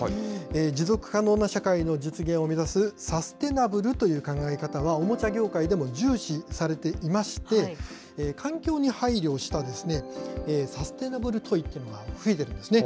持続可能な社会の実現を目指すサステナブルという考え方は、おもちゃ業界でも重視されていまして、環境に配慮したサステナブル・トイというのが増えているんですね。